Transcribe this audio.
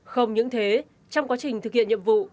không những thế trong quá trình thực hiện nhiệm vụ